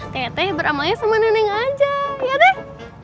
teh teh beramalnya sama neneng aja ya teh